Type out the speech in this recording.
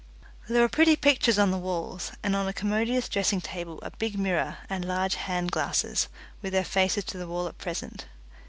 There were pretty pictures on the walls, and on a commodious dressing table a big mirror and large hand glasses, with their faces to the wall at present.